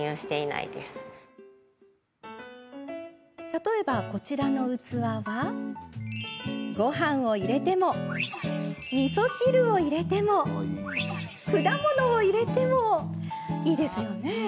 例えば、こちらの器はごはんを入れてもみそ汁を入れても果物を入れてもいいですね